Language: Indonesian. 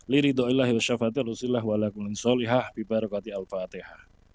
liridu illahilasyafatirrusillahu wa alaikuminsyalliha bi barakatil al fatiha